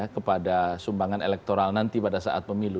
kepada sumbangan elektoral nanti pada saat pemilu